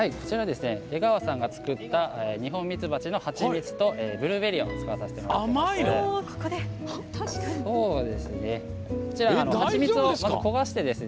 江川さんが作ったニホンミツバチのハチミツとブルーベリーを使わせていただいております。